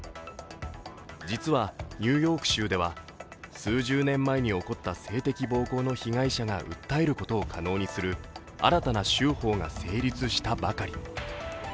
実はニューヨーク州では数十年前に起こった性的暴行の被害者が訴えることを可能にする新たな州法が成立したばかり。